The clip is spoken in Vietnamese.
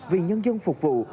vì nhân dân phục vụ